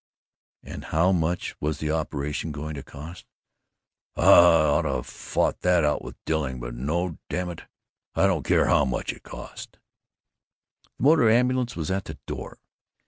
And how much was the operation going to cost? "I ought to have fought that out with Dilling. But no, damn it, I don't care how much it costs!" The motor ambulance was at the door.